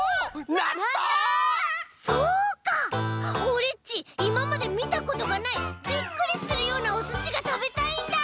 オレっちいままでみたことがないびっくりするようなおすしがたべたいんだ！